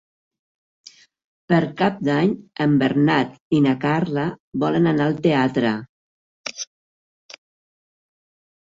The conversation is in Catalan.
Per Cap d'Any en Bernat i na Carla volen anar al teatre.